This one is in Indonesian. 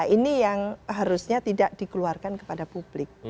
ini yang harusnya tidak dikeluarkan kepada publik